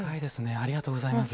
ありがとうございます。